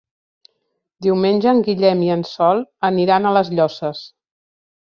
Diumenge en Guillem i en Sol aniran a les Llosses.